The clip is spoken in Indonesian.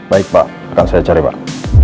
baik pak akan saya cari pak